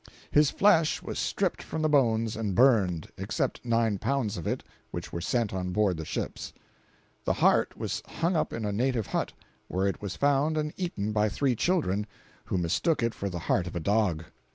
His flesh was stripped from the bones and burned (except nine pounds of it which were sent on board the ships). The heart was hung up in a native hut, where it was found and eaten by three children, who mistook it for the heart of a dog.